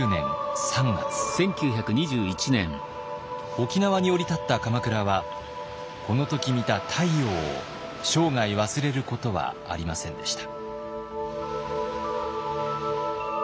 沖縄に降り立った鎌倉はこの時見た太陽を生涯忘れることはありませんでした。